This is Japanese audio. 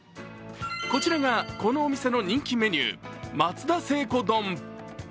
こちらがこのお店の人気メニュー、まつ田せいこ丼。